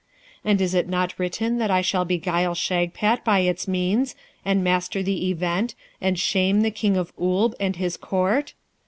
And is't not written that I shall beguile Shagpat by its means, and master the Event, and shame the King of Oolb and his Court?